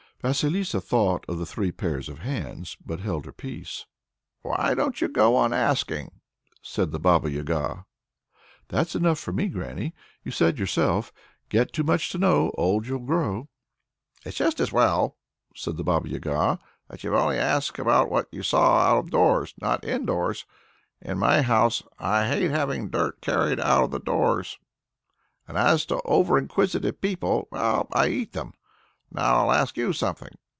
Vasilissa thought of the three pairs of hands, but held her peace. "Why don't you go on asking?" said the Baba Yaga. "That's enough for me, granny. You said yourself, 'Get too much to know, old you'll grow!'" "It's just as well," said the Baba Yaga, "that you've only asked about what you saw out of doors, not indoors! In my house I hate having dirt carried out of doors; and as to over inquisitive people well, I eat them. Now I'll ask you something.